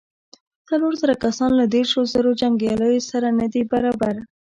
څلور زره کسان له دېرشو زرو جنګياليو سره نه دې برابر.